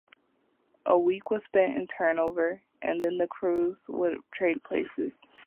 A week was spent in turnover and then the crews would trade places.